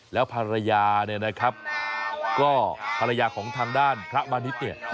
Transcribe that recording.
แล้วภรรยาเนี่ยนะครับก็ภรรยาของทางด้านพระมาณิชย์เนี่ย